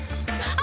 あ。